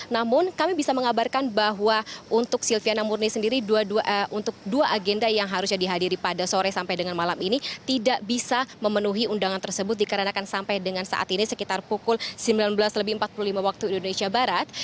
namun kami bisa mengabarkan bahwa untuk silviana murni sendiri untuk dua agenda yang harusnya dihadiri pada sore sampai dengan malam ini tidak bisa memenuhi undangan tersebut dikarenakan sampai dengan saat ini sekitar pukul sembilan belas lebih empat puluh lima waktu indonesia barat